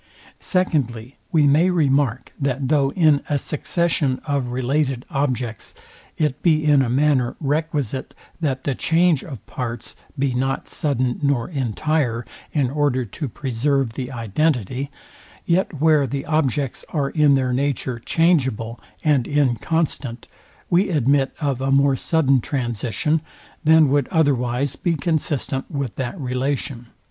Secondly, We may remark, that though in a succession of related objects, it be in a manner requisite, that the change of parts be not sudden nor entire, in order to preserve the identity, yet where the objects are in their nature changeable and inconstant, we admit of a more sudden transition, than would otherwise be consistent with that relation.